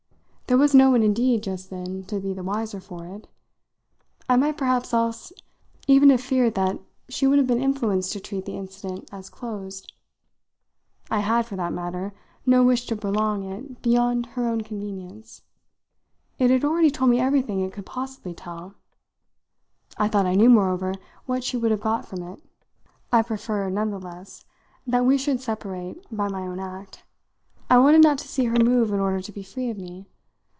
There was no one indeed just then to be the wiser for it; I might perhaps else even have feared that she would have been influenced to treat the incident as closed. I had, for that matter, no wish to prolong it beyond her own convenience; it had already told me everything it could possibly tell. I thought I knew moreover what she would have got from it. I preferred, none the less, that we should separate by my own act; I wanted not to see her move in order to be free of me.